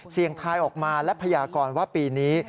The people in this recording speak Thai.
ทายออกมาและพยากรว่าปีนี้